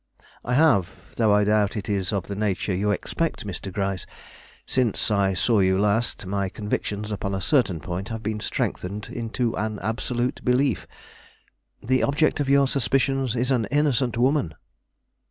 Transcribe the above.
"I have, though I doubt if it is of the nature you expect. Mr. Gryce, since I saw you last, my convictions upon a certain point have been strengthened into an absolute belief. The object of your suspicions is an innocent woman."